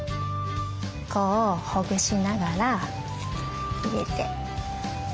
こうほぐしながら入れてピッタリ。